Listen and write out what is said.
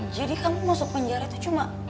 jadi kamu masuk penjara itu cuma